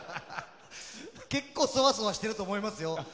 結構、そわそわしてると思いますよ。